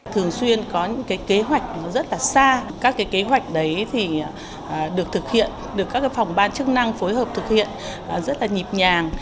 thường xuyên có những kế hoạch rất là xa các kế hoạch đấy thì được thực hiện được các phòng ban chức năng phối hợp thực hiện rất là nhịp nhàng